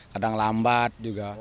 kadang lambat juga